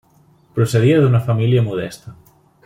Procedia d'una família modesta.